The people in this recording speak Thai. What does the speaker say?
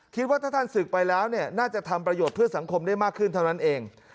คิดว่าถ้าท่านศึกไปแล้วเนี่ยน่าจะทำประโยชน์เพื่อสังคมได้มากขึ้นเท่านั้นเอง